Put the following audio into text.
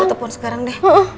gue telepon sekarang deh